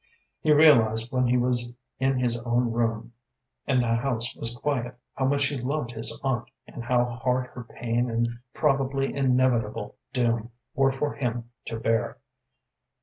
He realized when he was in his own room, and the house was quiet, how much he loved his aunt, and how hard her pain and probably inevitable doom were for him to bear.